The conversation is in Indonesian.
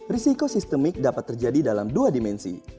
risiko sistemik dapat terjadi dalam dua dimensi